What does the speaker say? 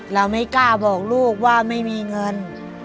เราไม่กล้าบอกลูกว่าไม่มีเงิน